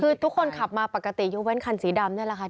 คือทุกคนขับมาปกติยกเว้นคันสีดำนี่แหละค่ะ